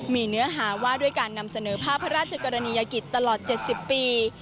มีเนื้อหาว่าด้วยการนำเสนอภาพพระราชกรณียกิจตลอด๗๐ปี